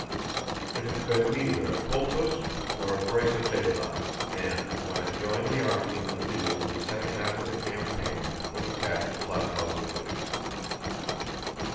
It had been neither at Pultúsk nor at Preussisch Eylau and, when it joined the army in the field in the second half of the campaign, was attached to Plátov's division.